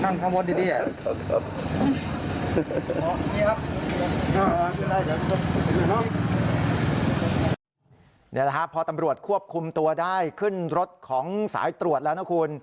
นี่แหละครับพอตำรวจควบคุมตัวได้ขึ้นรถของสายตรวจแล้วนะคุณ